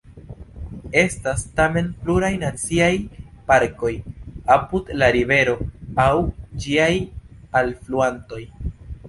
Estas tamen pluraj naciaj parkoj apud la rivero aŭ ĝiaj alfluantoj.